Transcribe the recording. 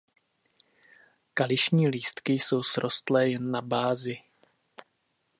Kališní lístky jsou srostlé jen na bázi.